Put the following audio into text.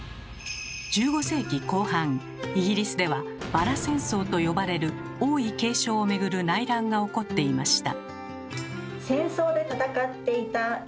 １５世紀後半イギリスでは「バラ戦争」と呼ばれる王位継承をめぐる内乱が起こっていました。